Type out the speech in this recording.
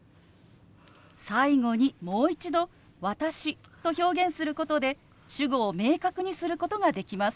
最後にもう一度「私」と表現することで主語を明確にすることができます。